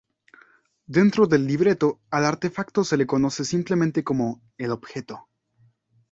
Dentro del libreto, al artefacto se le conoce simplemente como "El Objeto".